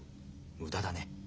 無駄だね。